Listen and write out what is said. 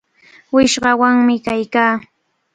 Wishqawanmi kaykaa.